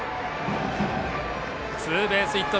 ツーベースヒット。